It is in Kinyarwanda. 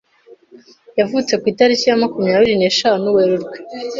yavutse ku itariki ya makumyabiri neshanu Werurwe